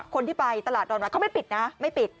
คนที่ไปตลาดดอนวัดเขาไม่ปิดนะไม่ปิด